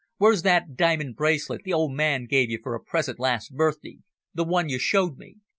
Where's that diamond bracelet the old man gave you for a present last birthday the one you showed me?"